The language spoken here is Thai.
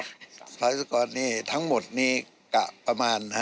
สภาวิศวกรนี้ทั้งหมดนี้กะประมาณ